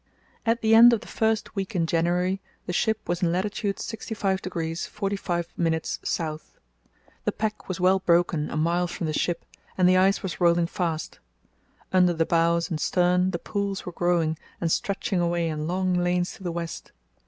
At the end of the first week in January the ship was in lat. 65° 45´ S. The pack was well broken a mile from the ship, and the ice was rolling fast. Under the bows and stern the pools were growing and stretching away in long lanes to the west.